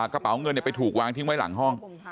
กระเป๋าเงินไปถูกวางทิ้งไว้หลังห้อง